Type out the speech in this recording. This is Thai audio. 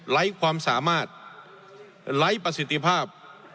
ไร้ความสามารถไร้ประสิทธิภาพ